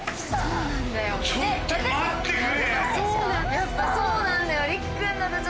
やっぱそうなんだよ！